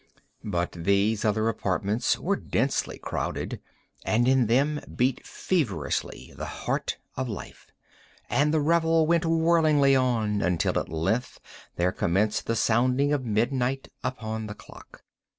But these other apartments were densely crowded, and in them beat feverishly the heart of life. And the revel went whirlingly on, until at length there commenced the sounding of midnight upon the clock.